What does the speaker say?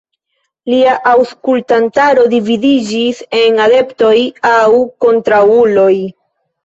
Lia aŭskultantaro dividiĝis en adeptoj aŭ kontraŭuloj.